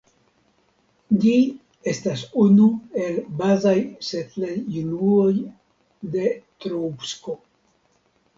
Ĝi estas unu el bazaj setlejunuoj de Troubsko.